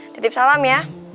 titip salam ya